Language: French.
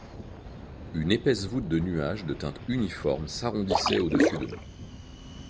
Une épaisse voûte de nuages de teinte uniforme s’arrondissait au-dessus de nous.